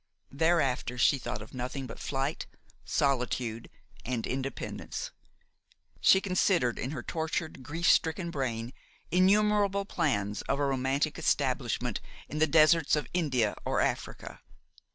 Thereafter she thought of nothing but flight, solitude and independence; she considered in her tortured, grief stricken brain innumerable plans of a romantic establishment in the deserts of India or Africa.